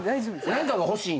何かが欲しいんだ。